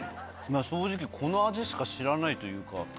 正直この味しか知らないというか。